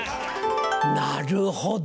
なるほど。